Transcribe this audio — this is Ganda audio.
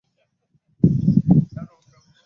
Ntidde kukugamba nti waliwo abammanja.